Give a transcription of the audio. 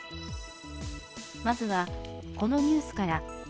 まずはこのニュースから。